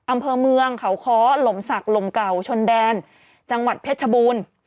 อำเภอเมืองเขาค้อหลมศักดิ์ลมเก่าชนแดนจังหวัดเพชรชบูรณ์